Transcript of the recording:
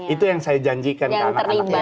itu yang saya janjikan ke anak anak mereka